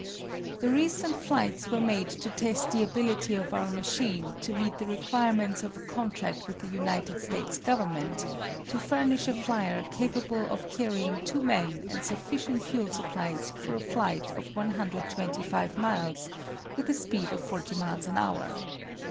The recent flights were made to test the ability of our machine to meet the requirements of a contract with the United States Government to furnish a flyer capable of carrying two men and sufficient fuel supplies for a flight of 125 miles, with a speed of 40 miles an hour.